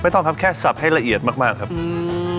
ต้องครับแค่สับให้ละเอียดมากมากครับอืม